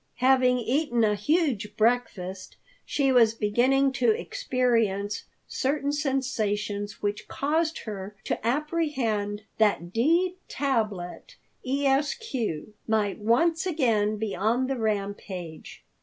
Having eaten a huge breakfast, she was beginning to experience certain sensations which caused her to apprehend that D. Tablet, Esq., might once again be on the rampage.